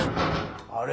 ・あれ？